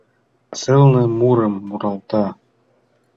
Сылне мурым муралта.